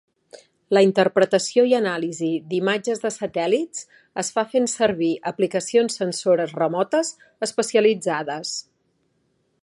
La interpretació i anàlisi de imatges de satèl·lits es fa fent servir aplicacions sensores remotes especialitzades.